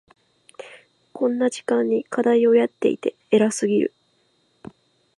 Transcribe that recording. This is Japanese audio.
こんな時間に課題をやっていて偉すぎる。